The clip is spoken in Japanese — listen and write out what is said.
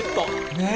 ねえ。